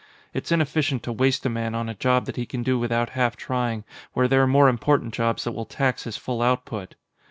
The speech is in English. It's inefficient to waste a man on a job that he can do without half trying where there are more important jobs that will tax his full output.